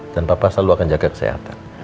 dan papa selalu akan jaga kesehatan